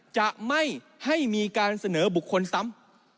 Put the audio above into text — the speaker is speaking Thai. จะไม่ให้มีการเสนอบุคคลซ้ำ